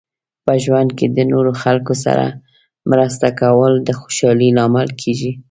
په ژوند کې د نورو خلکو سره مرسته کول د خوشحالۍ لامل کیږي.